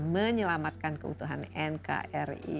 menyelamatkan keutuhan nkri